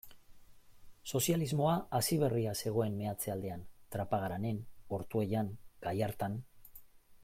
Sozialismoa hasi berria zegoen meatze-aldean, Trapagaranen, Ortuellan, Gallartan.